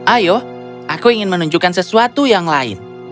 ayo aku ingin menunjukkan sesuatu yang lain